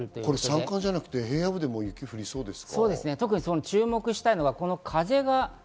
山間部じゃなくて平野部でも雪が降りそうですか？